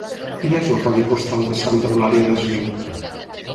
Quin és el codi postal de Santa Eulària des Riu?